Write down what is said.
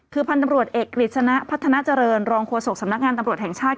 คือพันธุ์ตำรวจเอกกฤษณะพัฒนาเจริญรองโฆษกสำนักงานตำรวจแห่งชาติ